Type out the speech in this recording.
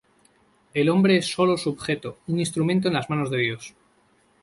El hombre es sólo su objeto, un instrumento en las manos de Dios.